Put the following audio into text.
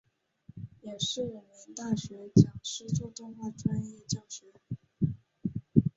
也是名大学讲师做动画专业教学。